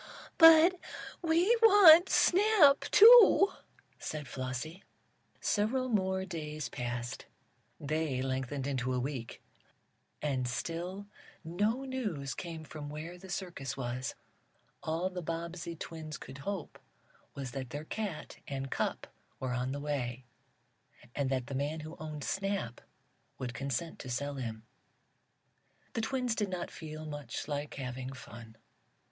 "But we want Snap, too!" said Flossie. Several more days passed. They lengthened into a week, and still no news came from where the circus was: All the Bobbsey twins could hope was that their cat and cup were on the way, and that the man who owned Snap would consent to sell him. The twins did not feel much like having fun.